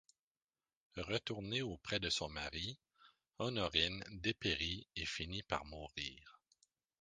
Retournée auprès de son mari, Honorine dépérit et finit par mourir.